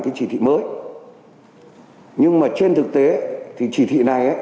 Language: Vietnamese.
cái chỉ thị mới nhưng mà trên thực tế thì chỉ thị này